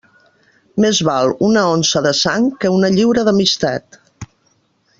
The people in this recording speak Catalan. Més val una onça de sang que una lliura d'amistat.